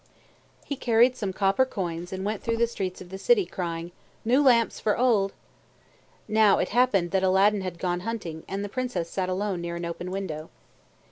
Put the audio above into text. He carried some copper lamps and went through the streets of the city crying, "New lamps for old!" Now it happened that Aladdin had gone hunting, and the Princess sat alone near an open window.